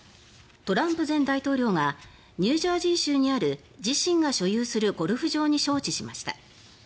トランプ前大統領がニュージャージー州にある自身が所有するゴルフ場に招致しました。